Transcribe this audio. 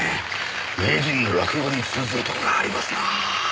名人の落語に通ずるとこがありますな。